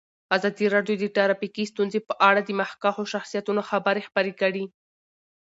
ازادي راډیو د ټرافیکي ستونزې په اړه د مخکښو شخصیتونو خبرې خپرې کړي.